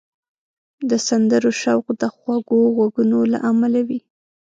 د سندرو شوق د خوږو غږونو له امله دی